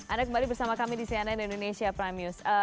anda kembali bersama kami di cnn indonesia prime news